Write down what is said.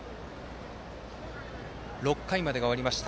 ６回までが終わりました。